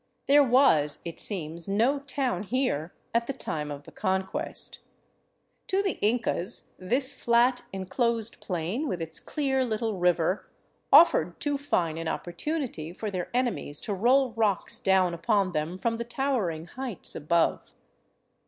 There was, it seems, no town here at the time of the Conquest. To the Incas this fiat enclosed plain with its clear Httle river offered too fine an oppor tunity for their enemies to roll rocks down upon them from the tower ing heights above.